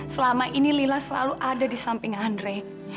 selama ini lila selalu ada di samping andre